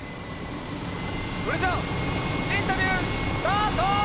それじゃあインタビュースタート！